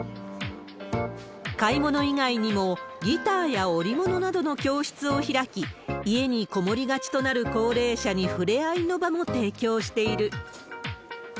買い物以外にも、ギターや織物などの教室を開き、家に籠もりがちとなる高齢者にふれあいの場も提供している。